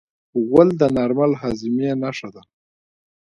غول د نارمل هاضمې نښه ده.